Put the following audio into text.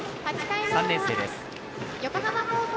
３年生です。